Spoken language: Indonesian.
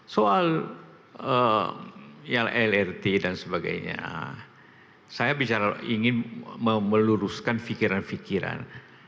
soal lrt dan sebagainya saya bicara ingin meluruskan pikiran pikiran